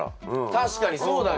確かにそうだね。